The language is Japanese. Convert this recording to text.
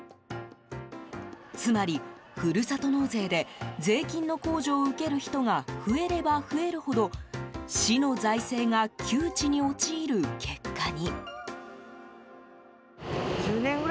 つまり、ふるさと納税で税金の控除を受ける人が増えれば増えるほど市の財政が窮地に陥る結果に。